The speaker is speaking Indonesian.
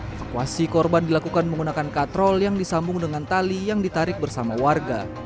evakuasi korban dilakukan menggunakan katrol yang disambung dengan tali yang ditarik bersama warga